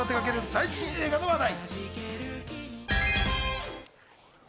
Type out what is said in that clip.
最新映画の話題。